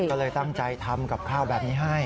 ก็เลยตั้งใจทำกับข้าวแบบนี้ให้